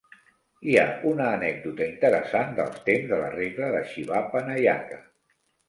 Hi ha una anècdota interessant dels temps de la regla de Shivappa Nayaka.